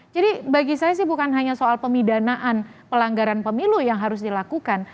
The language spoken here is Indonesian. jadi bagi saya sih bukan hanya soal pemidanaan pelanggaran pemilu yang harus dilakukan